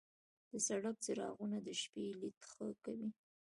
د سړک څراغونه د شپې لید ښه کوي.